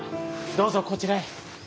どうぞこちらへ。